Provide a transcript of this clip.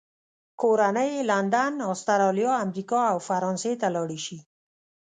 کورنۍ یې لندن، استرالیا، امریکا او فرانسې ته لاړې شي.